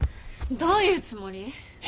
どういうつもり？